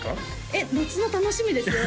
えっ？夏の楽しみですよ